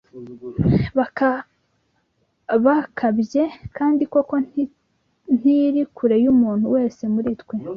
bakabakabye; kandi koko ntiri kure y’umuntu wese muri twe